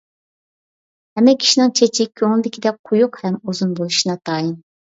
ھەممە كىشىنىڭ چېچى كۆڭۈلدىكىدەك قويۇق ھەم ئۇزۇن بولۇشى ناتايىن.